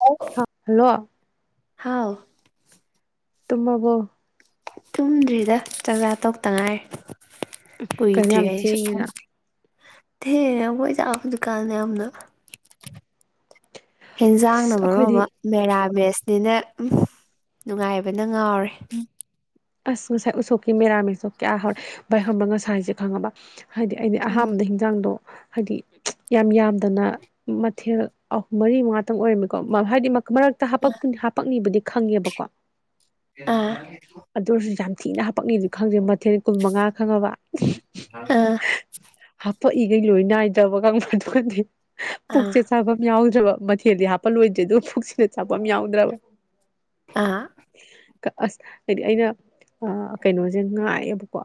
ꯑꯣ [unintelligible] ꯍꯜꯂꯣ ꯍꯥꯎ ꯇꯝꯃꯕꫭ ꯇꯨꯝꯗ꯭ꯔꯤꯗ ꯆꯥꯛꯆꯥ ꯇꯧꯛꯇꯉꯥꯏꯔꯤ ꯀꯩꯅꯣ ꯀꯨꯏꯗ꯭ꯔꯤ ꯌꯥꯝ ꯑꯩꯁꯨ ꯊꯦꯡꯉꯦꯅ ꯊꯦꯡꯉ‌ꯦ ꯑꯈꯣꯏ ꯆꯥꯛ ꯍꯧꯖꯤꯛꯀꯥꯟ ꯌꯥꯝꯅ ꯍꯦꯟꯖꯥꯡꯅ ꯑꯁ ꯃꯔꯨꯝ ꯑꯩꯈꯣꯏꯗꯤ ꯑꯃ ꯃꯦꯔꯥꯕꯦꯁꯅꯤꯅ ꯎꯝ ꯅꯨꯡꯉꯥꯏꯕꯅ ꯉꯥꯎꯔꯦ ꯑꯁ ꯉꯁꯥꯏ ꯎꯁꯣꯛꯀꯤ ꯃꯦꯔꯥꯃꯦꯇꯨ ꯀꯌꯥ ꯍꯧꯎꯔꯦ ꯚꯥꯏ ꯈꯪꯕꯔꯥ ꯉꯁꯥꯏꯖ‌ꯦ ꯈꯪꯉꯕ ꯍꯥꯏꯗꯤ ꯑꯩꯗꯤ ꯎꯝ ꯑꯍꯥꯟꯕꯗ ꯍꯤꯟꯖꯥꯡꯗꯣ ꯍꯥꯏꯗꯤ ꯌꯥꯝ ꯌꯥꯝꯗꯅ ꯃꯊꯦꯜ ꯑꯍꯨꯝ ꯃꯔꯤ ꯃꯉꯥꯇꯪ ꯑꯣꯏꯔꯝꯃꯤꯀꯣ ꯍꯥꯏꯗꯤ ꯃꯔꯛꯇ ꯍꯥꯄꯄ ꯍꯥꯄꯛꯅꯤꯕꯨꯗꯤ ꯈꯪꯉꯦꯕꯀꯣ ꯑꯥ ꯑꯗꯨ ꯑꯣꯏꯔꯁꯨ ꯌꯥꯝ ꯊꯤꯅ ꯍꯥꯄꯛꯅꯤꯗꯤ ꯈꯪꯗꯦ ꯃꯊꯦꯜ ꯀꯨꯟ ꯃꯉꯥ ꯈꯪꯉꯕ ꯑꯥ ꯍꯥꯄꯛꯏꯈꯩ ꯂꯣꯏ ꯅꯥꯏꯗ꯭ꯔꯕ ꯈꯪꯕ꯭ꯔꯥ ꯑꯗꯨꯒꯗꯤ ꯄꯨꯛꯁ ꯆꯥꯐꯝ ꯌꯥꯎꯗ꯭ꯔꯕ ꯃꯊꯦꯜꯗꯤ ꯍꯥꯄ ꯂꯣꯏꯗ꯭ꯔꯦ ꯑꯗꯨꯒ ꯄꯨꯨꯛꯁꯤꯗ ꯆꯥꯐꯝ ꯑꯃ ꯌꯥꯎꯗ꯭ꯔꯕ ꯑꯥ ꯑꯁ ꯍꯥꯏꯗꯤ ꯑꯩ ꯑꯥ ꯀꯩꯅꯣꯁꯦ ꯉꯥꯏꯌꯦꯕꯀꯣ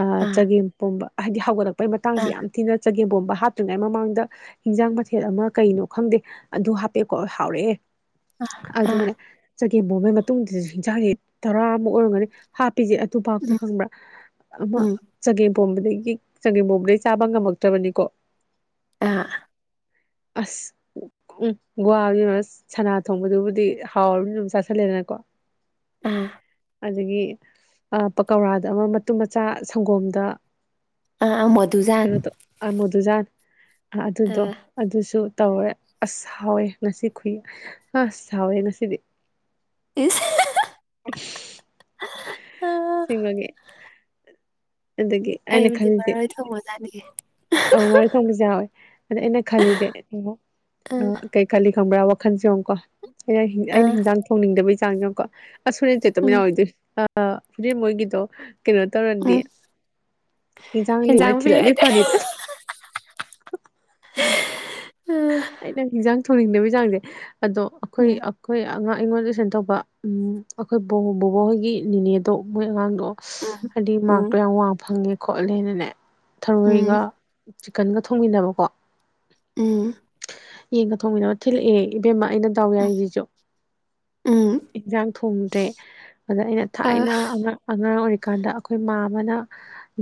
ꯑꯥ ꯆꯒꯦꯝ ꯄꯣꯝꯕ ꯍꯥꯏꯗꯤ ꯍꯧꯒꯠꯂꯛꯄꯩ ꯃꯇꯥꯡꯁꯤ ꯑꯥ ꯌꯥꯝ ꯊꯤꯅ ꯆꯒꯦꯝ ꯄꯣꯝꯕ ꯍꯥꯞꯇ꯭ꯔꯤꯉꯩ ꯃꯃꯥꯡꯗ ꯍꯤꯟꯖꯥꯡ ꯃꯊꯦꯜ ꯑꯃ ꯀꯩꯅꯣ ꯈꯪꯗꯦ ꯑꯗꯨ ꯍꯥꯞꯄꯦꯀꯣ ꯍꯥꯎꯔꯛꯑꯦ ꯑꯥ ꯑꯗꯨꯒꯅꯦ ꯆꯒꯦꯝ ꯄꯣꯝꯕꯩ ꯃꯇꯨꯡꯗꯁꯨ ꯍꯤꯟꯖꯥꯡꯁꯦ ꯇꯔꯥ ꯑꯃꯨꯛ ꯑꯣꯏꯔꯝꯒꯅꯤ ꯍꯥꯞꯄꯤꯁꯦ ꯑꯗꯨ ꯐꯥꯎꯗ ꯎꯝ ꯈꯪꯕ꯭ꯔꯥ ꯑꯃ ꯎꯝ ꯆꯒꯦꯝ ꯄꯣꯝꯕꯗꯒꯤ ꯆꯥꯡꯒꯦꯝ ꯄꯣꯝꯕꯗꯒꯤ ꯆꯥꯕ ꯉꯝꯃꯛꯇ꯭ꯔꯕꯅꯤꯀꯣ ꯑ ꯑꯁ ꯁꯅꯥ ꯊꯣꯡꯕꯗꯨꯕꯨꯗꯤ ꯍꯥꯎꯔꯕꯅꯤ ꯑꯗꯨꯝ ꯆꯥꯥꯁꯜꯂꯦꯗꯅꯀꯣ ꯎꯝ ꯑꯗꯒꯤ ꯄꯀꯧꯔꯥꯗ ꯑꯃ ꯃꯇꯨꯝ ꯃꯆꯥ ꯁꯪꯒꯣꯝꯗ ꯑꯥ ꯃꯗꯨꯨꯖꯥꯟ ꯑꯥ ꯃꯨꯗꯨꯖꯥꯟ ꯑꯗꯨꯗꯣ ꯑꯥ ꯑꯗꯨꯁꯨ ꯇꯧꯋꯦ ꯑꯁ ꯍꯥꯎꯋꯦ ꯉꯁꯤ ꯈꯨꯏ ꯑ ꯑꯁ ꯍꯥꯎꯋꯦ ꯉꯁꯤꯗꯤ ꯏꯁ ꯑꯥ ꯑꯁꯦꯡꯕꯒꯤ ꯑꯗꯒꯤ ꯑꯩꯅ ꯑꯩꯕꯨꯗꯤ ꯃꯔꯣꯏ ꯊꯣꯡꯕ ꯆꯥꯅꯤꯡꯉꯦ ꯑ ꯃꯔꯣꯏ ꯊꯣꯡꯕꯁꯨ ꯌꯥꯎꯋꯦ ꯑꯗ ꯑꯩꯅ ꯈꯜꯂꯤꯁꯦ ꯑꯥ ꯈꯜꯂꯤ ꯈꯪꯕ꯭ꯔꯥ ꯋꯥꯈꯜꯁꯤ ꯌꯦꯡꯉꯨꯀꯣ ꯑꯩꯅ ꯑꯩꯅ ꯑꯥ ꯍꯤꯟꯖꯥꯡ ꯊꯣꯡꯅꯤꯡꯗꯕꯩ ꯆꯥꯡ ꯌꯦꯡꯉꯨꯀꯣ ꯑꯁ ꯍꯨꯔꯦꯟ ꯎꯝ ꯇꯃꯤꯟꯅ ꯑꯣꯏꯗꯣꯏ ꯍꯧꯖꯤꯛ ꯃꯣꯏꯒꯤꯗꯣ ꯀꯩꯅꯣ ꯎꯝ ꯍꯤꯟꯖꯥꯡ ꯍꯦꯟꯖꯥꯡ ꯂꯦꯝꯃꯗꯤ ꯊꯤꯜꯂꯛꯑꯗꯤ ꯄꯤꯔꯛꯑꯗꯤ ꯐꯅꯤꯗ ꯑꯥ ꯑꯩꯅ ꯍꯤꯟꯖꯥꯡ ꯊꯣꯡꯅꯤꯡꯗꯕꯩ ꯆꯥꯡꯁꯦ ꯑꯗꯣ ꯑꯩꯈꯣꯏ ꯎꯝ ꯑꯩꯈꯣꯏ ꯑꯉꯥꯡ ꯑꯩꯉꯣꯟꯗ ꯇꯨꯏꯁꯟ ꯇꯧꯕ ꯎꯝ ꯑꯩꯈꯣꯏ ꯕꯣꯕꯣꯛ ꯍꯣꯏꯒꯤ ꯅꯤꯅꯦꯗꯣ ꯃꯣꯏ ꯑꯉꯥꯡꯗꯣ ꯎꯝ ꯍꯥꯏꯗꯤ ꯎꯝ ꯃꯥꯛꯇꯣ ꯌꯥꯝ ꯋꯥꯡꯅ ꯐꯪꯉꯦ ꯈꯣꯠꯂꯦꯅꯅꯦ ꯊꯔꯣꯏꯒ ꯎꯝ ꯆꯤꯛꯀꯟꯒ ꯊꯣꯡꯃꯤꯟꯅꯕꯀꯣ ꯎꯝ ꯌꯦꯡꯒ ꯊꯣꯡꯃꯤꯟꯅꯕ ꯊꯤꯜꯂꯛꯑꯦ ꯏꯕꯦꯝꯃ ꯑꯩꯅ ꯗꯥꯎ ꯌꯥꯔꯤꯁꯤꯁꯨ ꯎꯝ ꯏꯟꯁꯥꯡ ꯊꯣꯡꯗ꯭ꯔꯦ ꯑꯗ ꯑꯩꯅ ꯑ ꯊꯥꯏꯅ ꯑꯉꯥꯡ ꯑꯣꯏꯔꯤꯀꯥꯟꯗ ꯑꯩꯈꯣꯏ ꯃꯥꯝꯃꯅ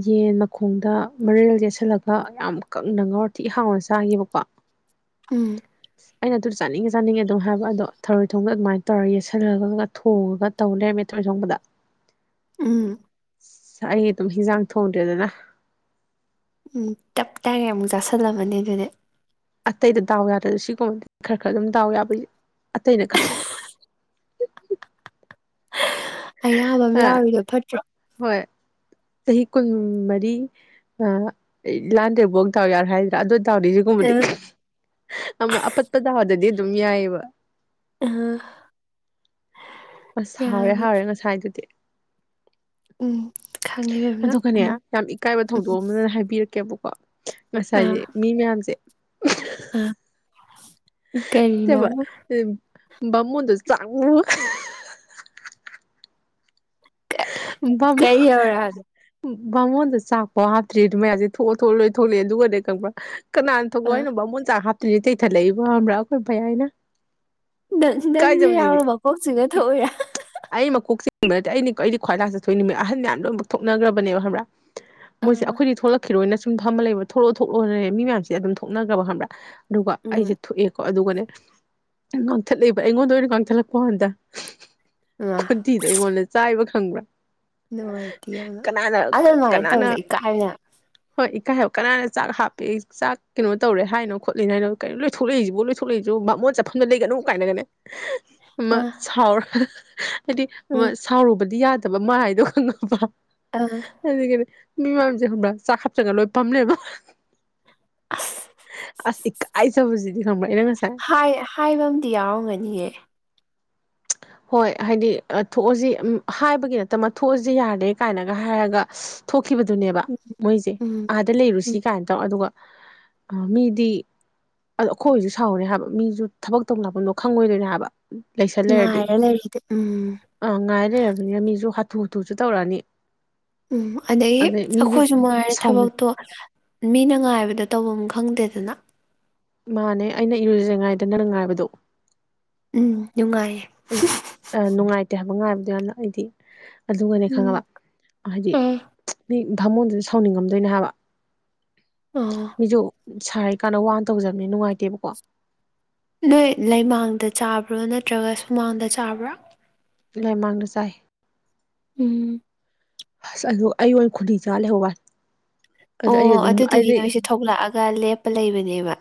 ꯌꯦꯟ ꯃꯈꯣꯡꯗ ꯃꯔꯦꯜ ꯌꯦꯠꯁꯤꯜꯂꯒ ꯌꯥꯝ ꯀꯪꯅ ꯉꯧꯔ ꯊꯤ ꯍꯥꯎꯅ ꯆꯥꯒꯤꯕꯀꯣ ꯎꯝ ꯑꯩꯅ ꯑꯗꯨ ꯆꯥꯅꯤꯡꯉꯦ ꯆꯥꯅꯤꯡꯉꯦ ꯑꯗꯨꯝ ꯍꯥꯏꯕ ꯑꯗꯣ ꯊꯔꯣꯏ ꯊꯣꯡꯕꯗ ꯑꯗꯨꯃꯥꯏꯅ ꯇꯧꯔꯒ ꯌꯦꯁꯤꯜꯂꯒ ꯊꯣꯡꯉꯒ ꯇꯧ ꯂꯩꯔꯝꯃꯦ ꯊꯣꯔꯧꯏ ꯊꯣꯡꯕꯗ ꯎꯝ ꯑꯩ ꯑꯗꯨꯝ ꯍꯤꯟꯖꯥꯡ ꯊꯣꯡꯗ꯭ꯔꯦꯗꯅ ꯇꯞ ꯇꯥꯏꯉꯩ ꯑꯃꯨꯛ ꯆꯥꯁꯜꯂꯝꯃꯅꯤ ꯑꯗꯨꯗꯤ ꯑꯇꯩꯗ ꯗꯥꯎ ꯌꯥꯗ꯭ꯔꯁꯨ ꯁꯤꯒꯨꯝꯕꯗꯤ ꯈꯔ ꯈꯔ ꯑꯗꯨꯝ ꯗꯥꯎ ꯌꯥꯕꯒꯤ ꯑꯇꯩꯅ ꯀꯟ ꯑꯌꯥꯝꯕ ꯑꯃ ꯑ ꯌꯥꯎꯔꯤꯗꯣ ꯐꯠꯇ꯭ꯔꯣ ꯍꯣꯏ ꯆꯍꯤ ꯀꯨꯟ ꯃꯔꯤ ꯂꯥꯟꯗꯩꯐꯥꯎ ꯗꯥꯎ ꯌꯥꯎꯔꯦ ꯍꯥꯏꯗ꯭ꯔꯥ ꯑꯗꯣ ꯗꯥꯎꯗꯁꯨ ꯑ ꯑꯃ ꯑꯄꯠꯄ ꯗꯥꯎꯗꯗꯤ ꯑꯗꯨꯝ ꯌꯥꯏꯌꯦꯕ ꯑ ꯑꯁ ꯍꯥꯎꯔꯦ ꯌꯥꯔꯦ ꯍꯥꯎꯔꯦ ꯉꯁꯥꯏꯗꯨꯗꯤ ꯎꯝ ꯈꯪꯉꯦꯕꯦꯝꯅ ꯑꯗꯨꯒꯅꯦ ꯑꯃꯨꯛ ꯌꯥꯝ ꯏꯀꯥꯏꯕ ꯊꯧꯗꯣꯛ ꯑꯃꯅꯦ ꯍꯥꯏꯕꯤꯔꯛꯀꯦꯕꯀꯣ ꯉꯁꯥꯏꯗꯣ ꯑꯥ ꯃꯤ ꯃꯌꯥꯝꯁꯦ ꯑꯥ ꯀꯩ ꯅꯠꯇꯦꯕ ꯕꯥꯃꯣꯟꯗꯣ ꯆꯥꯡꯉꯨ ꯕꯥꯃꯣꯟ ꯀꯔꯤ ꯌꯧꯔꯛꯑꯒꯦ ꯕꯥꯃꯣꯟꯗꯣ ꯆꯥꯛꯐꯤꯎ ꯍꯥꯞꯇ꯭ꯔꯤ ꯑꯗꯨ ꯃꯌꯥꯝꯁꯦ ꯊꯣꯛꯑꯣ ꯊꯣꯛꯑꯣꯅ ꯂꯣꯏ ꯊꯣꯛꯂꯛꯑꯦ ꯑꯗꯨꯒꯅꯦ ꯈꯪꯕ꯭ꯔꯥ ꯀꯅꯥꯅ ꯊꯣꯛꯎꯑꯣ ꯑꯥ ꯍꯥꯏꯅꯣ ꯕꯥꯃꯣꯟ ꯆꯥꯛ ꯍꯥꯞꯇ꯭ꯔꯤꯌꯦ ꯆꯩꯊꯠꯂꯛꯏꯕꯣ ꯈꯪꯕ꯭ꯔꯥ ꯑꯩꯈꯣꯏ ꯕꯤꯌꯥꯢꯅ ꯅꯪ ꯅꯪꯁꯨ ꯌꯥꯎꯅ ꯃꯀꯣꯛ ꯆꯤꯡꯉ ꯊꯣꯛꯎꯏꯔꯥ ꯑꯩ ꯃꯀꯣꯛ ꯆꯤꯡꯅꯤꯡꯕ ꯅꯠꯇꯦ ꯑꯩ ꯑꯩꯗꯤ ꯈ꯭ꯋꯥꯏ ꯂꯥꯁꯇ ꯊꯣꯛꯏꯅꯦꯃꯦ ꯑꯍꯟ ꯃꯌꯥꯝ ꯂꯣꯏꯅꯃꯛ ꯊꯣꯛꯅꯈ꯭ꯔꯕꯅꯦꯕ ꯈꯪꯕ꯭ꯔꯥ ꯃꯣꯏꯁꯦ ꯑꯥ ꯑꯩꯈꯣꯏꯗꯤ ꯊꯣꯛꯂꯛꯈꯤꯔꯣꯏꯅ ꯁꯨꯝ ꯊꯝꯃ ꯂꯩꯕ ꯊꯣꯛꯂꯛꯑꯣ ꯊꯣꯛꯂꯑꯣꯅꯦ ꯃꯤ ꯃꯌꯥꯝꯁꯦ ꯑꯗꯨꯝ ꯊꯣꯛꯅꯈ꯭ꯔꯕ ꯈꯪꯕ꯭ꯔꯥ ꯑꯗꯨꯒ ꯑꯩꯁꯦ ꯎꯝ ꯊꯣꯛꯑꯦꯀꯣ ꯑꯗꯨꯒꯅꯦ ꯉꯥꯡꯊꯠꯂꯛꯏꯕ ꯑꯩꯉꯣꯟꯗ ꯑꯣꯏꯅ ꯉꯥꯡꯊꯠꯂꯛꯄ ꯀꯥꯟꯗ ꯑ ꯆꯇꯤꯗꯣ ꯑꯩꯉꯣꯟꯗ ꯆꯥꯏꯕ ꯈꯪꯕ꯭ꯔꯥ ꯅꯨꯡꯉꯥꯏꯇꯦ ꯌꯥꯝꯅ ꯀꯅꯥꯅ ꯑꯗꯨ ꯑꯗꯨꯃꯥꯏꯅ ꯀꯅꯥꯅ ꯇꯧꯁꯩ ꯏꯀꯥꯏꯅ ꯍꯣꯏ ꯏꯀꯥꯏ ꯍꯥꯏꯣ ꯀꯅꯥꯅ ꯆꯥꯛ ꯍꯥꯞꯄꯦ ꯆꯥꯛ ꯀꯩꯅꯣ ꯇꯧꯔꯦ ꯍꯥꯏꯅꯣ ꯈꯣꯠꯂꯤꯅ ꯍꯥꯏꯅꯣ ꯀꯩꯅꯣ ꯂꯣꯏꯂꯛꯏꯁꯤꯕ ꯂꯣꯏꯂꯛꯏꯁꯨ ꯃꯣꯟ ꯆꯠꯐꯝꯗ ꯂꯩꯒꯅꯨ ꯀꯥꯏꯅꯒꯅꯦ ꯑꯃ ꯑꯥ ꯁꯥꯎꯔ ꯍꯥꯏꯗꯤ ꯑꯥ ꯁꯥꯎꯔꯨꯕꯗꯤ ꯌꯥꯗꯕ ꯃꯥ ꯍꯥꯏꯗꯣ ꯈꯪꯉꯕ ꯎꯝ ꯑꯗꯒꯤꯗꯤ ꯃꯤ ꯃꯌꯥꯝꯁꯦ ꯈꯪꯕ꯭ꯔꯥ ꯆꯥꯈꯠꯇ꯭ꯔꯒ ꯂꯣꯏ ꯐꯝꯅꯦꯕ ꯑꯁ ꯑꯁ ꯏꯀꯥꯏꯖꯕꯁꯤꯗꯤ ꯈꯪꯕ꯭ꯔꯏ ꯅꯪ ꯉꯁꯥꯏ ꯍꯥꯏꯕ ꯑꯝ ꯌꯥꯎꯔꯝꯒꯅꯤꯌꯦ ꯍꯣꯏ ꯍꯥꯏꯗꯤ ꯑ ꯊꯣꯛꯑꯁꯤ ꯑꯝ ꯍꯥꯏꯕꯒꯤ ꯅꯠꯇꯕ ꯊꯣꯛꯑꯁꯤ ꯌꯥꯗ꯭ꯔꯦ ꯀꯥꯏꯅꯒ ꯍꯥꯏꯔꯒ ꯊꯣꯛꯈꯤꯕꯗꯨꯅꯦꯕ ꯃꯣꯏꯁꯦ ꯎꯝ ꯑꯥꯗ ꯎꯝ ꯂꯩꯔꯨꯁꯤ ꯀꯥꯏꯅ ꯇꯧ ꯑꯗꯨꯒ ꯃꯤꯗꯤ ꯑꯗꯣ ꯑꯩꯈꯣꯏ ꯑꯣꯏꯁꯨ ꯁꯥꯎꯅꯤ ꯍꯥꯏꯕ ꯃꯤꯁꯨ ꯊꯕꯛ ꯇꯧ ꯂꯥꯛꯄꯝꯗꯣ ꯈꯪꯉꯣꯏꯗꯣꯏꯅꯦ ꯍꯥꯏꯕ ꯎꯝ ꯂꯩꯁꯥ ꯉꯥꯔ ꯂꯔꯤꯗꯤ ꯎꯝ ꯑꯥ ꯉꯥꯏ ꯂꯩꯔꯕꯅꯤꯅ ꯃꯤꯁꯨ ꯍꯥꯊꯨ ꯍꯥꯊꯨꯁꯨ ꯇꯧꯔꯛꯑꯅꯤ ꯎꯝ ꯑꯗꯩ ꯑꯩꯈꯣꯏꯁꯨ ꯉꯥꯏꯔꯦ ꯁꯥꯎꯅꯤꯡ ꯊꯕꯛꯇꯣ ꯃꯤꯅ ꯉꯥꯏꯕꯗ ꯇꯧꯐꯝꯝ ꯈꯪꯗꯦꯗꯅ ꯃꯥꯅꯦ ꯑꯩꯅ ꯏꯔꯨꯖꯩ ꯉꯥꯏꯗ ꯅꯪꯅ ꯉꯥꯏꯕꯗꯣ ꯎꯝ ꯅꯨꯡꯉꯥꯏꯌꯦ ꯑ ꯅꯨꯡꯉꯥꯏꯇꯦ ꯍꯥꯏꯕ ꯉꯥꯏꯕꯗꯣ ꯌꯥꯝꯅ ꯑꯩꯗꯤ ꯑꯗꯨꯒꯅꯦ ꯈꯪꯉꯕ ꯎꯝ ꯍꯥꯏꯗꯤ ꯎꯝ ꯅ ꯚꯥꯃꯣꯟꯗꯨꯁꯨ ꯁꯥꯎꯅꯤꯡꯉꯝꯗꯣꯏꯅꯦ ꯍꯥꯏꯕ ꯑꯣ ꯃꯤꯁꯨ ꯁꯥꯔꯤ ꯀꯥꯟꯗ ꯋꯥꯅ ꯇꯧꯖꯕꯅꯦ ꯅꯨꯡꯉꯥꯏꯇꯦꯕꯀꯣ ꯅꯣꯏ ꯂꯩꯃꯥꯡꯗ ꯆꯥꯕ꯭ꯔꯣ ꯅꯠꯇ꯭ꯔꯒ ꯁꯨꯃꯥꯡꯗ ꯆꯥꯕ꯭ꯔꯣ ꯂꯥꯏꯃꯥꯡꯗ ꯆꯥꯏ ꯎꯝ ꯑꯁ ꯑꯗꯣ ꯑꯩꯌꯣꯟ ꯈꯨꯗꯤ ꯆꯥ ꯂꯩꯍꯧ ꯋꯥ ꯑꯣ ꯑꯗꯨꯗꯨꯒꯤ ꯅꯣꯏꯁꯦ ꯊꯣꯛꯂꯛꯑꯒ ꯂꯦꯞꯄ ꯂꯩꯕꯅꯦꯕ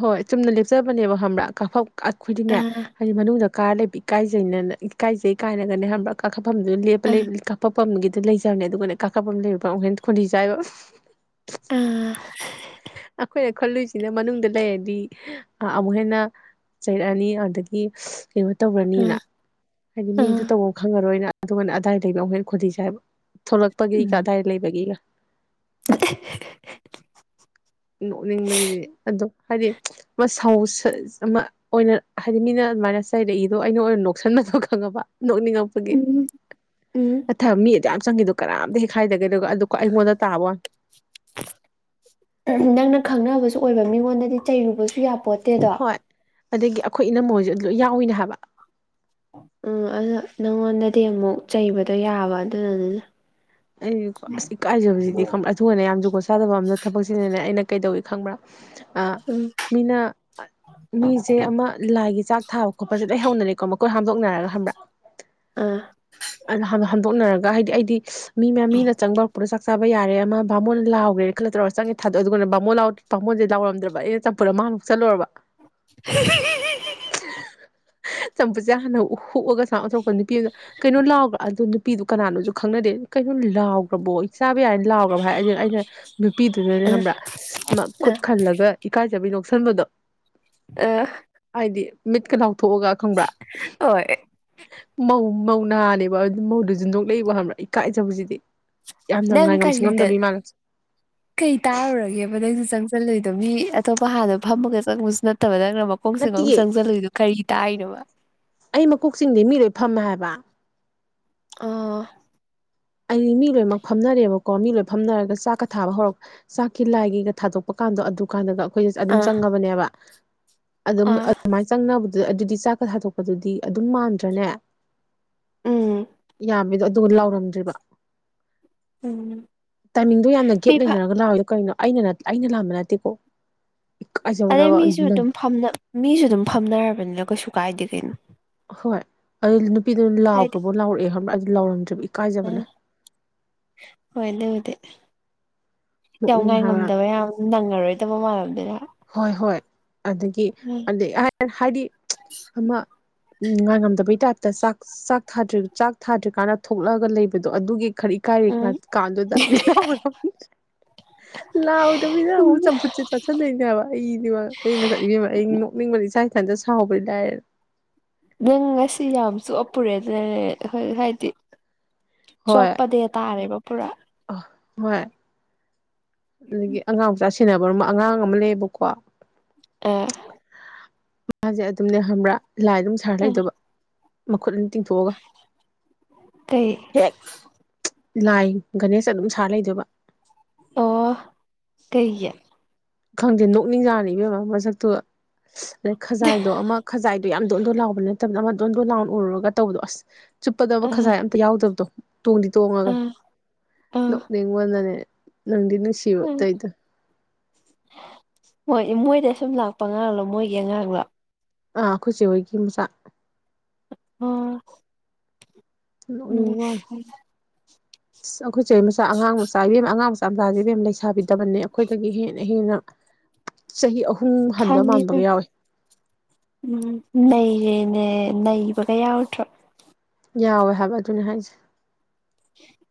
ꯍꯣꯏ ꯆꯨꯝꯅ ꯂꯦꯞꯆꯕꯅꯦꯕ ꯈꯪꯕ꯭ꯔꯥ ꯀꯐ ꯑꯩꯈꯣꯏꯗꯤꯅꯦ ꯑꯥ ꯍꯥꯏꯗꯤ ꯃꯅꯨꯡꯗ ꯀꯥꯔ ꯂꯩꯕ ꯏꯀꯥꯏꯖꯩꯅꯅ ꯏꯀꯥꯏꯖꯩ ꯀꯥꯏꯅꯒꯅꯦ ꯈꯪꯕ꯭ꯔꯥ ꯀꯥꯈꯠꯐꯝꯗꯨꯅ ꯂꯦꯞꯄ ꯑꯥ ꯂꯩꯕ ꯀꯥꯈꯠ ꯄꯄꯝꯒꯤꯗꯤ ꯂꯩꯖꯕꯅꯦ ꯑꯗꯨꯒꯅ ꯀꯥꯀꯥ ꯄꯝ ꯂꯩꯡꯍꯦꯟ ꯈꯣꯂꯤ ꯆꯥꯏꯕ ꯑꯥ ꯍꯤ ꯍꯤ ꯍꯤ ꯑꯩꯈꯣꯏꯅ ꯈꯜꯂꯨꯏꯁꯤꯅ ꯃꯅꯨꯡꯗ ꯂꯩꯔꯗꯤ ꯑ ꯑꯃꯨꯛ ꯍꯦꯟꯅ ꯆꯩꯔꯛꯑꯅꯤ ꯑꯗꯒꯤ ꯀꯩꯅꯣ ꯇꯧꯔꯅꯤꯅ ꯑꯥ ꯍꯥꯏꯗꯤ ꯃꯤꯗꯨ ꯑꯥ ꯇꯧꯕ ꯈꯪꯉꯔꯣꯏꯅ ꯑꯗꯨꯒꯅꯦ ꯑꯗꯥꯏ ꯗꯩꯒ ꯑꯃꯨꯛ ꯍꯦꯟꯅ ꯈꯣꯟꯗꯤ ꯆꯥꯏꯕ ꯊꯣꯛꯂꯛꯄꯒꯤꯒ ꯎꯝ ꯑꯗꯥꯏ ꯂꯩꯕꯒꯤꯒ [unintelligible] ꯅꯣꯛꯅꯤꯡꯕꯁꯤꯗꯤ ꯑꯗꯣ ꯍꯥꯏꯗꯤ ꯃꯁꯛ ꯁꯥꯎ ꯑꯃ ꯑꯣꯏꯅ ꯍꯥꯏꯗꯤ ꯃꯤꯅ ꯑꯗꯨꯃꯥꯏꯅ ꯆꯩꯔꯛꯏꯗꯣ ꯑꯩꯅ ꯑꯣꯏꯅ ꯅꯣꯛꯁꯟꯅꯗꯣ ꯈꯪꯉꯕ ꯅꯣꯛꯅꯤꯡꯉꯛꯄꯒꯤ ꯎꯝ ꯑꯊꯕ ꯃꯤ ꯑꯗꯨ ꯌꯥꯝ ꯆꯪꯈꯤꯗ ꯀꯔꯝꯇ ꯍꯦꯛꯈꯥꯏꯗꯒꯦ ꯑꯗꯨꯒ ꯑꯗꯨꯀꯣ ꯑꯩꯉꯣꯟꯗ ꯇꯥꯕꯣ ꯅꯪꯅ ꯈꯪꯅꯕꯁꯨ ꯑꯣꯏꯕ ꯃꯤꯉꯣꯟꯗꯗꯤ ꯆꯩꯔꯨꯕꯁꯨ ꯌꯥꯄꯣꯠ ꯍꯣꯏ ꯑꯗꯒꯤ ꯑꯩꯈꯣꯏ ꯏꯅꯝꯃꯣꯏꯁꯨ ꯑꯗꯨ ꯌꯥꯎꯏꯤꯅꯦ ꯍꯥꯏꯕ ꯎꯝ ꯑꯗꯨꯗ ꯅꯪꯉꯣꯟꯗꯗꯤ ꯑꯃꯨꯛ ꯆꯩꯕꯗꯣ ꯌꯥꯕ ꯑꯗꯨꯅꯅꯤꯅ ꯑꯩ ꯑꯁ ꯏ ꯀꯥꯏꯖꯕꯁꯤꯗꯤ ꯈ ꯑꯊꯨꯒꯅꯦ ꯌꯥꯝ ꯖꯨꯒꯣꯠ ꯆꯥꯗꯕ ꯑꯝꯅ ꯊꯕꯛꯁꯤꯅꯅꯦ ꯑꯩꯅ ꯀꯩꯗꯧꯋꯤ ꯈꯪꯕ꯭ꯔꯥ ꯎꯝ ꯃꯤꯅ ꯃꯤꯁꯦ ꯑꯃ ꯂꯥꯏꯒꯤ ꯆꯥꯛ ꯊꯥꯕ ꯈꯣꯠꯄꯁꯦꯗ ꯍꯧꯅꯔꯦꯀꯣ ꯃꯈꯣꯏ ꯍꯥꯝꯗꯣꯛꯅꯔꯒ ꯍꯪꯕ꯭ꯔꯥ ꯑꯥ ꯑ ꯍꯥꯝ ꯍꯥꯝꯗꯣꯛꯅꯔꯒ ꯍꯥꯏꯗꯤ ꯑꯩꯗꯤ ꯃꯤ ꯃꯌꯥꯝ ꯃꯤꯅ ꯆꯪꯕ ꯍꯧꯔꯛꯄꯗ ꯆꯥꯛ ꯆꯕ ꯌꯥꯔ ꯑꯃ ꯕꯥꯃꯣꯟ ꯂꯥꯎꯈ꯭ꯔꯦꯅ ꯈꯜꯂ ꯇꯧꯔ ꯆꯪꯉꯦ ꯊꯥꯗꯑ ꯑꯗꯨꯒꯅ ꯕꯥꯃꯣꯟꯥꯎ ꯕꯥꯕꯣꯟꯦꯥꯎꯔꯝꯗ꯭ꯔ ꯑꯩꯅ ꯆꯝꯄꯨꯔ ꯑꯃꯥꯡ ꯆꯠꯂꯨꯔꯕ ꯏꯍꯤꯍꯤ ꯆꯝꯐꯨꯠꯁꯦ ꯍꯥꯟꯅ ꯍꯨꯛ ꯍꯨꯛꯑꯒ ꯁꯨꯃꯥꯏ ꯑꯣꯟꯗ ꯅꯨꯄꯤ ꯑꯝꯅ ꯀꯩꯅꯣ ꯂꯥꯎꯕ ꯑꯗꯨꯗꯣ ꯅꯨꯄꯤꯗꯨ ꯀꯅꯥꯅꯣꯁꯨ ꯈꯪꯅꯗꯦ ꯀꯩꯅꯣ ꯂꯥꯎꯈ꯭ꯔꯕꯣ ꯑꯩ ꯆꯥꯕ ꯌꯥꯏꯅ ꯂꯥꯎꯈ꯭ꯔꯕꯚꯥꯏ ꯑ ꯑꯩꯅ ꯅꯨꯄꯤꯗꯨꯗꯅꯦ ꯑ ꯑ ꯈꯕ꯭ꯔꯥ ꯑꯁ ꯈꯨꯠ ꯈꯜꯂꯒ ꯏꯀꯥꯏꯖꯕꯩ ꯅꯣꯛꯁꯟꯕꯗꯣ ꯎꯝ ꯍꯥꯏꯗꯤ ꯃꯤꯠꯀ ꯂꯥꯎꯊꯣꯛꯑꯒ ꯈꯪꯕ꯭ꯔꯥ ꯍꯣꯏ ꯃꯧ ꯃꯧꯅꯥꯅꯦꯕ ꯑꯗꯨ ꯃꯧꯗꯨꯁꯨꯟꯗꯣꯛꯂꯕ ꯍꯕꯥ ꯏꯀꯥꯏꯖꯕꯁꯤꯗꯤ ꯌꯥꯝꯅ ꯅꯪ ꯉꯥꯏꯉꯝ ꯀꯔꯤꯗ ꯁꯤꯡꯉꯝꯗꯕꯤ ꯃꯥꯜꯂꯦ [inaudible] ꯀꯩ ꯇꯥꯔꯨꯔꯒꯦꯕ ꯅꯪꯁꯨ ꯆꯪꯁꯜꯂꯣꯏꯏꯗꯣ ꯃꯤ ꯑꯇꯣꯞꯄ ꯍꯥꯟꯅꯣ ꯐꯝꯃꯒ ꯆꯪꯕꯁꯨ ꯅꯠꯇꯕ ꯅꯪꯅ ꯈꯣꯡꯁꯦ ꯑꯃꯛ ꯅꯠꯇꯤꯌꯦ ꯆꯪꯁꯤꯜꯂꯛꯏꯗꯨꯣ ꯀꯔꯤ ꯇꯥꯔꯤꯅꯣꯕ ꯑꯩ ꯃꯀꯣꯛꯁꯤꯡꯤꯡꯗꯤ ꯃꯤ ꯂꯣꯏ ꯐꯝꯃꯦ ꯍꯥꯏꯕ ꯑꯥ ꯑꯩꯗꯤ ꯃꯤ ꯂꯣꯏꯅꯃꯛ ꯐꯝꯅꯔꯦꯕꯀꯣ ꯃꯤ ꯂꯣꯏꯅ ꯐꯝꯅꯔꯒ ꯆꯥꯛꯀ ꯊꯥꯕ ꯍꯧꯔꯛꯄ ꯆꯥꯛꯀꯤ ꯂꯥꯏꯒꯤꯒ ꯊꯥꯗꯣꯛ ꯄ ꯀꯥꯟꯗꯣ ꯑꯗꯨ ꯀꯥꯟꯗꯒ ꯑꯩꯈꯣꯏ ꯑꯗꯨꯝ ꯑ ꯆꯪꯉꯕꯅꯦꯕ ꯑꯗꯨꯝ ꯑ ꯑꯗꯨꯃꯥꯏꯅ ꯆꯪꯅꯕ ꯑꯗꯨꯗꯤ ꯆꯥꯛꯀꯠ ꯊꯗꯣꯛꯄꯗꯨꯗꯤ ꯑꯗꯨꯝ ꯃꯥꯟꯗ꯭ꯔꯅꯦ ꯎꯝ ꯌꯥꯝꯃꯦꯗꯣ ꯑꯗꯨꯒ ꯂꯥꯎꯔꯝꯗ꯭ꯔꯤꯕ ꯎꯝ ꯇꯥꯏꯃꯤꯡꯗꯣ ꯌꯥꯝꯅ ꯃꯤ ꯒꯦꯞ ꯐ ꯂꯩꯅꯔꯒ ꯂꯥꯛꯑꯣꯏꯗꯣ ꯀꯔꯤꯅꯣ ꯑꯩꯅ ꯑꯩꯅ ꯂꯥꯛꯝꯕ ꯅꯠꯇꯦꯀꯣ ꯑꯗꯩ ꯏꯀꯥꯏꯖꯕꯅꯕ ꯃꯤꯁꯨ ꯅꯪ ꯑꯗꯨꯝ ꯐ ꯃꯤꯁꯨ ꯑꯗꯨꯝ ꯐꯝꯅꯔꯕꯅꯤꯅ ꯀꯩꯁꯨ ꯀꯥꯏꯗꯦ ꯀꯩꯅꯣ ꯍꯣꯏ ꯑꯗꯨ ꯅꯨꯄꯤꯗꯨꯅ ꯂꯥꯎꯈ꯭ꯔꯕꯣ ꯂꯥꯎꯔꯛꯑꯦ ꯈꯪꯕ꯭ꯔ ꯑꯗꯨ ꯂꯥꯎꯔꯝꯗ꯭ꯔꯦ ꯑ꫰ꯍꯣꯏ ꯂꯨꯗꯦ ꯌꯥꯝ ꯅꯣꯛꯅꯤꯡ ꯉꯥꯏ ꯍꯥꯏꯕ ꯉꯝꯗꯕ ꯌꯥꯝ ꯅꯪꯉꯔꯣꯏꯗꯕ ꯃꯥꯜꯂꯝ ꯗꯣꯏꯅꯦ ꯍꯥꯏꯕꯥ ꯍꯣꯏ ꯍꯣꯏ ꯑꯗꯒꯤ ꯑꯩ ꯍꯥꯏꯗꯤ ꯑꯃ ꯉꯥꯏꯉꯝꯗꯕꯩ ꯇꯥꯏꯞꯇ ꯆꯥꯛ ꯆꯥꯛ ꯆꯥꯛ ꯊꯥꯗ꯭ꯔꯤꯀꯥꯟꯗ ꯊꯣꯛꯂꯛꯑꯒ ꯂꯩꯕꯗꯣ ꯑꯗꯨꯒꯤ ꯈꯔ ꯏꯀꯥꯏꯔꯦ ꯎꯝ ꯀꯥꯟꯗꯨꯗꯥ [unintelligible] ꯂꯥꯛꯎꯗꯕꯤꯗ ꯎꯝ ꯑꯃꯨ ꯆꯕꯨ ꯆꯦ ꯆꯁꯗꯅꯤ ꯑꯩꯗꯤꯕ ꯑꯩ ꯉꯁꯥꯏ ꯏꯕꯦꯝꯃ ꯑꯩ ꯅꯣꯛꯅꯤꯡꯕꯅ ꯏꯁꯥ ꯏꯊꯟꯇꯠ ꯁꯥꯎꯕꯗꯤ ꯂꯥꯏꯔꯅ ꯅꯪ ꯉꯁꯤ ꯌꯥꯝꯁꯨ ꯑꯞꯄꯔꯦꯗ ꯍꯣꯏ ꯍꯥꯏꯗꯤ ꯆꯣꯞꯄ ꯗꯦ ꯇꯥꯔꯦꯕ ꯄꯨꯔꯥ ꯑ ꯍꯣꯏ ꯑꯗꯒꯤ ꯑꯉꯥꯡꯆꯥꯥ ꯁꯤꯟꯅꯕꯔꯕ ꯑꯉꯥꯡ ꯑꯃ ꯂꯩꯌꯦꯕꯀꯣ [unintelligible] ꯃꯥꯁꯦ ꯑꯗꯨꯝꯅꯦ ꯈꯕ꯭ꯔꯥ ꯂꯥꯏ ꯑꯗꯨꯝ ꯁꯥꯔ ꯂꯩꯗꯕ ꯃꯈꯨꯠ ꯑꯅꯤ ꯇꯤꯡꯊꯣꯛꯑꯒ ꯀꯩ ꯍꯦꯛ ꯂꯥꯏ ꯒꯅꯦꯁ ꯑꯗꯨꯝ ꯁꯥꯔ ꯂꯩꯗꯣꯏꯕ ꯑꯣ ꯀꯩꯒꯤ ꯈꯪꯗꯦ ꯅꯣꯛꯅꯤꯡꯖꯥꯅꯦ ꯏꯕꯦꯝꯃ ꯃꯁꯛꯇꯨꯒ ꯑꯗꯩ ꯈꯖꯥꯏꯗꯣ ꯑꯃ ꯈꯖꯥꯏꯗꯣ ꯌꯥꯝ ꯗꯣꯟꯗꯣꯟ ꯂꯥꯎꯕ ꯅꯠꯇꯕꯗ ꯑꯃ ꯗꯣꯟꯗꯣꯟ ꯂꯥꯎꯅ ꯎꯔꯨꯔꯒ ꯇꯧꯕꯗꯣ ꯑꯁ ꯆꯨꯞꯄꯗꯕ ꯑ ꯈꯖꯥꯏ ꯑꯝꯇ ꯌꯥꯎꯗꯕꯗꯣ ꯇꯣꯡꯗꯤ ꯇꯣꯡꯉꯒ ꯑ ꯑ ꯅꯣꯛꯅꯤꯡꯉꯟꯅꯅꯦ ꯅꯪꯗꯤ ꯅꯨꯡꯁꯤꯕ ꯑꯇꯩꯗ ꯍꯣꯏ ꯃꯣꯏꯗ ꯁꯨꯝ ꯂꯥꯛꯄ ꯀꯥꯟꯗꯥ ꯃꯣꯏꯒꯤ ꯑꯉꯥꯡꯂꯣ ꯑꯥ ꯑꯩꯈꯣꯏꯆꯦ ꯍꯣꯏꯒꯤ ꯌꯨꯝꯁꯨ ꯑꯣ ꯎꯝ ꯅꯤꯉꯜ [inaudible] ꯑꯁ ꯑꯩꯈꯣꯏ ꯆꯦ ꯃꯆꯥ ꯑꯉꯥꯡ ꯃꯆꯥ ꯏꯕꯦꯝꯃ ꯑꯉꯥꯡ ꯃꯆꯥ ꯃꯆꯥꯁꯦ ꯏꯕꯦꯝꯃ ꯂꯩꯁꯥꯕꯤ ꯗꯕꯜꯅꯦ ꯑꯩꯈꯣꯏꯗꯒꯤ ꯍꯦꯟꯅ ꯍꯦꯟꯅ [inaudible] ꯆꯍꯤ ꯑꯍꯨꯝ ꯍꯟꯕ ꯈꯪꯉꯦ ꯃꯥꯟꯕꯒ ꯌꯥꯎꯋꯦ ꯎꯝ ꯅꯩꯔꯦꯅꯦ ꯅꯩꯕꯒ ꯌꯥꯎꯔꯗ꯭ꯔꯣ ꯌꯥꯎꯋꯦ ꯍꯥꯏꯕ ꯑꯗꯨꯅꯦ ꯍꯥꯏꯁꯦ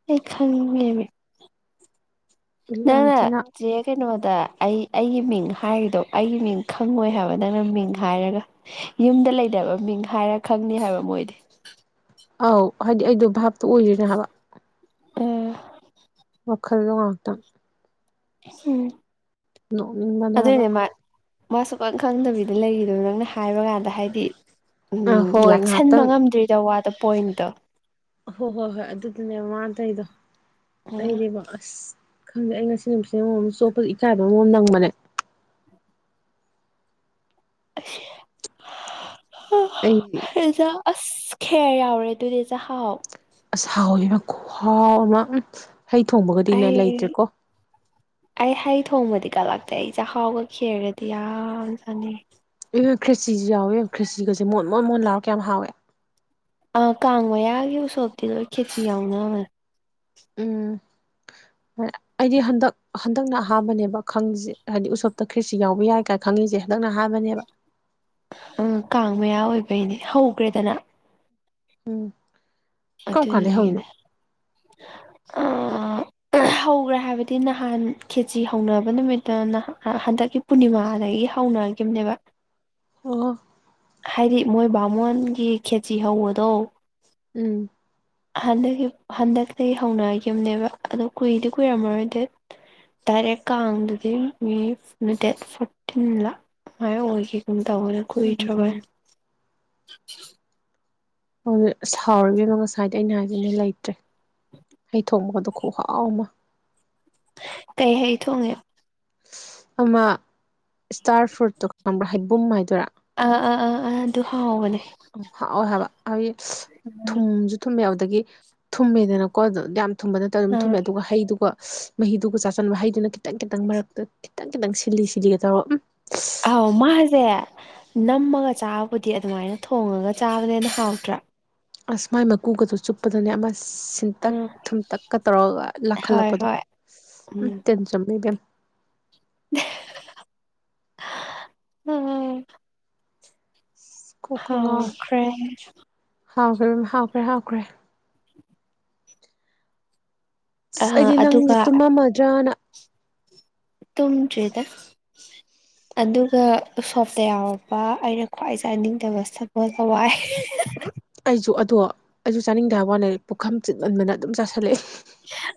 ꯑꯩ ꯈꯥꯟꯃꯦ ꯌꯥꯝ ꯉꯪꯅꯦ ꯊꯤꯅ ꯆꯦ ꯀꯩꯅꯣꯗ ꯑꯩ ꯑꯩꯒꯤ ꯃꯤꯡ ꯍꯥꯏꯔꯤꯗꯣ ꯑꯩꯒꯤ ꯃꯤꯡ ꯈꯪꯉꯣꯏ ꯍꯥꯏꯕ ꯅꯪꯅ ꯃꯤꯡ ꯍꯥꯏꯔꯒ ꯌꯨꯝꯗ ꯂꯩꯇꯕꯥ ꯃꯤꯡ ꯍꯥꯏꯔ ꯈꯪꯅꯤ ꯍꯥꯏꯕ ꯃꯣꯏꯗꯤ ꯑꯧ ꯍꯥꯏꯗꯤ ꯑꯩꯗꯣ ꯚꯥꯞꯇꯣ ꯑꯣꯏꯔꯤꯅꯦ ꯍꯥꯏꯕ ꯑ ꯃꯗꯨꯒ ꯃꯥꯥꯛꯇꯝ ꯎꯝ ꯅꯣꯛꯅꯤꯡ [unintelligible] ꯑꯗꯨꯏꯅꯦ ꯃꯥ ꯃꯥ ꯁꯨꯛ ꯈꯪꯗꯕꯤꯗ ꯂꯩꯔꯤꯗ ꯅꯪꯅ ꯍꯥꯏꯕ ꯀꯥꯟꯗ ꯍꯥꯏꯗꯤ ꯎꯝ ꯑꯥ ꯍꯣꯏ ꯂꯥꯛꯁꯟꯕ ꯉꯥꯏꯍꯥꯛꯇꯪ ꯉꯝꯗ꯭ꯔꯤꯗ ꯋꯥꯗꯣ ꯄꯣꯏꯟꯠꯇꯣ ꯍꯣꯏ ꯍꯣꯏ ꯍꯣꯏ ꯑꯗꯨꯗꯨꯅꯦ ꯃꯥ ꯇꯩꯗꯣ ꯑꯩꯗꯤꯕ ꯑꯁ ꯈꯪꯗꯦ ꯑꯩ ꯉꯁꯤ ꯅꯨꯃꯤꯠ ꯑꯃꯃꯝ ꯆꯣꯞꯄꯗ ꯏꯀꯥꯏꯕ ꯑꯃꯃꯝ ꯅꯪꯕꯅꯦ [unintelligible] ꯑꯩ [unintelligible] ꯑꯁ ꯈꯦꯔ ꯌꯥꯎꯔ ꯗꯨꯗꯤ ꯆꯍꯥꯎ ꯑꯁꯥꯎꯅ ꯈꯨꯍꯥꯎ ꯑꯃ ꯍꯩ ꯊꯣꯡꯕꯒꯗꯤꯅꯦ ꯑꯩ ꯂꯩꯇ꯭ꯔꯦꯀꯣ ꯑꯩ ꯍꯩ ꯊꯣꯡꯕꯗꯤ ꯀꯠꯂꯛꯇꯦ ꯑꯩ ꯆꯥꯛꯍꯥꯎꯒ ꯈꯦꯔꯒꯗꯤ ꯌꯥꯝ ꯆꯥꯅꯤꯡꯉꯤ ꯑꯗꯨꯒꯥ ꯈ꯭ꯔꯤꯆꯤꯁꯨ ꯌꯥꯎꯋꯦ ꯈ꯭ꯔꯤꯆꯤꯒꯁꯦ ꯃꯣꯟ ꯃꯣꯟ ꯃꯣꯟ ꯂꯥꯎꯔ ꯀꯌꯥꯝ ꯍꯥꯎꯋꯦ ꯑꯥ ꯀꯥꯡ ꯃꯌꯥꯒꯤ ꯎꯁꯣꯞꯇꯤ ꯂꯣꯏ ꯈꯦꯆꯤ ꯌꯥꯎꯅꯕꯅꯦ ꯎꯝ [unintelligible] [unintelligible] ꯑꯩꯗꯤ ꯍꯟꯗꯛ ꯍꯟꯗꯛꯅ ꯑꯍꯟꯕꯅꯦꯕ ꯈꯪꯉꯤꯁꯦ ꯍꯥꯏꯗꯤ ꯎꯁꯣꯞꯇ ꯈ꯭ꯔꯤꯔꯁꯤ ꯌꯥꯎꯕ ꯌꯥꯏ ꯀꯥꯏꯅ ꯈꯪꯉꯤꯁꯦ ꯍꯟꯗꯛꯅ ꯑꯍꯥꯟꯕꯅꯦꯕ ꯎꯝ ꯀꯥꯡ ꯃꯌꯥ ꯑꯣꯏꯕꯩꯅꯦ ꯍꯧꯈ꯭ꯔꯦꯗꯅ ꯎꯝ ꯀꯔꯝ ꯀꯥꯟꯗꯩ ꯍꯧꯔꯤꯅꯣ ꯑꯗꯨꯅꯥꯅꯦ ꯑ ꯍꯧꯈ꯭ꯔꯦ ꯍꯥꯏꯕꯗꯤ ꯅꯍꯥꯟ ꯈꯦꯆꯤ ꯍꯧꯅꯕ ꯅꯨꯃꯤꯠꯇ ꯍꯟꯗꯛꯀꯤ ꯄꯨꯔꯅꯤꯃꯥꯗꯒꯤ ꯍꯧꯅꯈꯤꯕꯅꯦꯕ ꯑꯣ ꯍꯥꯏꯗꯤ ꯃꯣꯏ ꯕꯥꯃꯣꯟꯒꯤ ꯈꯦꯆꯤ ꯍꯧꯕꯗꯣ ꯎꯝ ꯍꯟꯗꯛꯀꯤ ꯍꯟꯗꯛꯇꯩ ꯍꯧꯅꯈꯤꯕꯅꯦꯕ ꯑꯗꯣ ꯀꯨꯏꯗꯤ ꯀꯨꯏꯔꯝꯃꯔꯣꯏ ꯗꯦꯇ ꯗꯥꯏꯔꯦꯛ ꯀꯥꯡꯗꯨꯗꯤ ꯃꯤ ꯅꯠꯇꯦ ꯐꯣꯔꯇꯤꯟꯂ ꯑꯃꯥꯏ ꯑꯣꯏꯒꯤꯀꯨꯝ ꯇꯧꯕꯅꯦ ꯎꯝ ꯀꯨꯏꯗꯔꯥꯕꯅꯦ ꯑꯁ ꯉꯁꯥꯏꯗꯩꯩ ꯑꯩꯅ ꯍꯥꯏꯁꯤꯅꯦ ꯂꯩꯇ꯭ꯔꯦ ꯍꯩ ꯊꯣꯡꯕꯒꯗꯣ ꯈꯨꯍꯥꯎ ꯑꯃ ꯀꯩ ꯍꯩ ꯊꯣꯡꯉꯤꯅꯣ ꯑꯃ ꯏꯁꯇꯥꯔ ꯐ꯭ꯔꯨꯠꯇꯣ ꯈꯪꯕ꯭ꯔꯥ ꯍꯩꯕꯨꯝ ꯍꯥꯏꯗꯣꯏꯔꯥ ꯑꯥ ꯑꯥ ꯑꯥ ꯑꯥ ꯑꯗꯨ ꯍꯥꯎꯕꯅꯦ ꯎꯝ ꯍꯥꯎꯋꯦ ꯍꯥꯏꯕ ꯍꯥꯏꯗꯤ ꯊꯨꯝꯁꯨ ꯊꯨꯝꯃꯦ ꯑꯗꯒꯤ ꯊꯨꯝꯃꯦꯗꯅꯀꯣ ꯑꯗꯨ ꯊꯨꯝꯕꯗꯠꯇ ꯑꯗꯨꯝ ꯊꯨꯝꯃꯦ ꯑꯥ ꯑꯗꯨꯒ ꯍꯩꯗꯨꯒ ꯃꯍꯤꯗꯨꯒ ꯆꯥꯥꯁꯟꯕ ꯍꯩꯗꯨꯅ ꯈꯤꯇꯪ ꯈꯤꯇꯪ ꯃꯔꯛꯇ ꯈꯤꯇꯪ ꯈꯤꯇꯪ ꯁꯤꯂꯤ ꯁꯤꯂꯤꯒ ꯇꯧꯔꯣ ꯎꯝ ꯑꯥꯎ ꯃꯥꯁꯦ ꯅꯝꯃꯒ ꯆꯥꯕꯕꯨꯗꯤ ꯑꯗꯨꯃꯥꯏꯅ ꯊꯣꯡꯉꯒ ꯆꯥꯕꯅꯦꯅ ꯍꯥꯎꯋꯦ ꯑꯁ ꯃꯥꯏ ꯃꯀꯨꯒꯗꯣ ꯆꯨꯞꯄꯗꯅꯦ ꯑꯁ ꯊꯤꯟꯇꯛ ꯎꯝ ꯊꯨꯝꯇꯛꯀ ꯇꯧꯔꯒ ꯍꯣꯏ ꯂꯥꯛꯈꯠꯂꯛꯄꯗꯣ ꯍꯣꯏ ꯎꯝ ꯇꯤꯟ ꯆꯨꯝ ꯏꯕꯦꯝ ꯎꯝ ꯀꯣꯛꯀ ꯉꯥꯎꯋꯦ ꯍꯥꯎꯈ꯭ꯔꯦ ꯍꯥꯎꯈ꯭ꯔꯦ ꯍꯥꯎꯈ꯭ꯔꯦ ꯍꯥꯎꯈ꯭ꯔꯦ ꯑ ꯑꯁ ꯑꯩꯗꯤ ꯅꯪꯁꯦ ꯑꯗꯨꯒ ꯇꯨꯝꯃꯝꯃꯗ꯭ꯔꯅ ꯇꯨꯝꯗꯔ꯭ꯤꯗ ꯑꯗꯨꯒ ꯎꯁꯣꯞꯇ ꯌꯥꯎꯔꯛꯄ ꯑꯩꯅ ꯈ꯭ꯋꯥꯏ ꯆꯥꯅꯤꯡꯗꯕ ꯁꯒꯣꯜ ꯍꯋꯥꯏ ꯑꯩꯁꯨ ꯑꯗꯣ ꯑꯩꯁꯨ ꯆꯥꯅꯤꯡꯗꯦ ꯍꯥꯏꯕ ꯋꯥꯅꯦ ꯄꯨꯈꯝ ꯆꯤꯟꯃꯟꯗꯅ ꯑꯗꯨꯝ ꯆꯥꯥꯁꯜꯂꯦ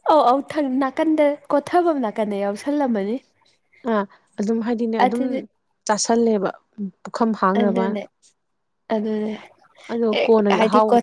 ꯑꯧ ꯑꯧ ꯅꯥꯀꯟꯗ ꯀꯣꯊꯐꯝ ꯅꯥꯀꯟꯗ ꯌꯥꯎꯁꯜꯂꯝꯃꯅꯤ ꯑ ꯑꯗꯨꯝ ꯍꯥꯏꯗꯤꯅꯦ ꯑꯗꯨꯝ ꯑꯗꯨꯗꯤ ꯆꯥꯁꯜꯂꯦꯕ ꯄꯨꯈꯝ ꯍꯥꯡꯅꯕ ꯑꯗꯨꯅꯦ ꯑꯗꯨꯅꯦ ꯑꯗꯣ ꯍꯦꯛ ꯀꯣꯟꯅꯒꯤ ꯍꯥꯏꯗꯤ ꯀꯣ ꯑꯍꯥꯎꯕ